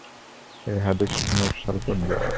এ হাদীস মুরসাল পর্যায়ের।